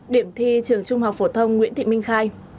điểm thi trường trung học phổ thông nguyễn thị minh khai